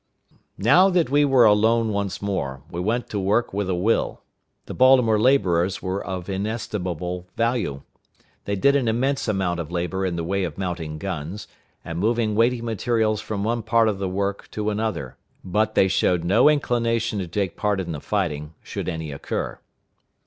Now that we were alone once more, we went to work with a will. The Baltimore laborers were of inestimable value. They did an immense amount of labor in the way of mounting guns, and moving weighty materials from one part of the work to another; but they showed no inclination to take part in the fighting, should any occur.